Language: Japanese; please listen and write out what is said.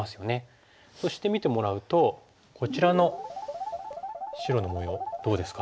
そして見てもらうとこちらの白の模様どうですか？